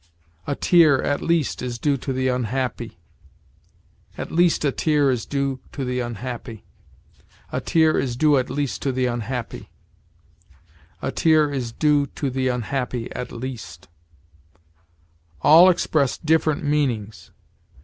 'A tear, at least, is due to the unhappy'; 'at least a tear is due to the unhappy'; 'a tear is due at least to the unhappy'; 'a tear is due to the unhappy at least' all express different meanings.